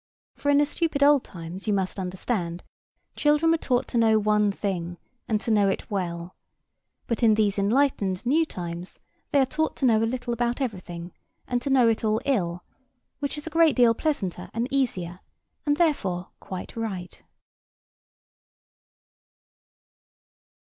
For in the stupid old times, you must understand, children were taught to know one thing, and to know it well; but in these enlightened new times they are taught to know a little about everything, and to know it all ill; which is a great deal pleasanter and easier, and therefore quite right.